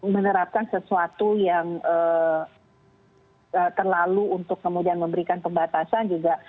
menerapkan sesuatu yang terlalu untuk kemudian memberikan pembatasan juga